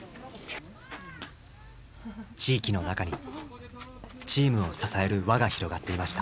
地域の中にチームを支える輪が広がっていました。